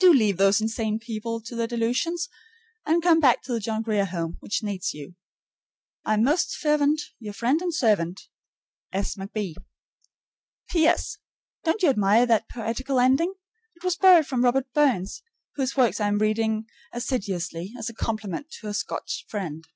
Do leave those insane people to their delusions, and come back to the John Grier Home, which needs you. I am most fervent' Your friend and servant, S. McB. P.S. Don't you admire that poetical ending? It was borrowed from Robert Burns, whose works I am reading assiduously as a compliment to a Scotch friend.